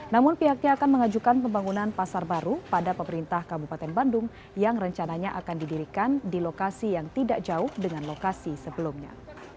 namun pihaknya akan mengajukan pembangunan pasar baru pada pemerintah kabupaten bandung yang rencananya akan didirikan di lokasi yang tidak jauh dengan lokasi sebelumnya